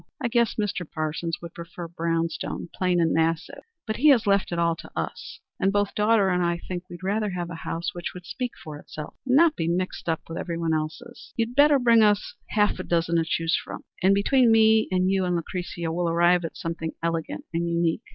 I guess Mr. Parsons would prefer brown stone, plain and massive, but he has left it all to us, and both daughter and I think we'd rather have a house which would speak for itself, and not be mixed up with everybody else's. You'd better bring us half a dozen to choose from, and between me and you and Lucretia, we'll arrive at something elegant and unique."